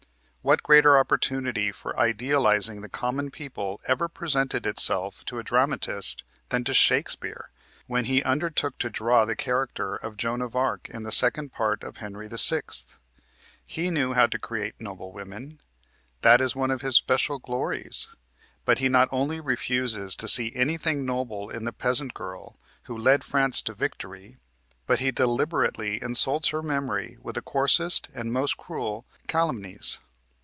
What greater opportunity for idealizing the common people ever presented itself to a dramatist than to Shakespeare when he undertook to draw the character of Joan of Arc in the second part of "Henry VI."? He knew how to create noble women that is one of his special glories but he not only refuses to see anything noble in the peasant girl who led France to victory, but he deliberately insults her memory with the coarsest and most cruel calumnies.